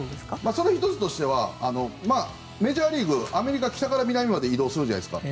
その１つとしてはメジャーリーグって北から南へ移動するじゃないですか。